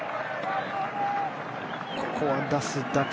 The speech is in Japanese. ここは、出すだけ。